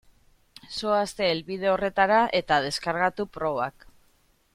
Zoazte helbide horretara eta deskargatu probak.